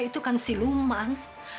dia itu kan si luman